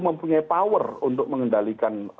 mempunyai power untuk mengendalikan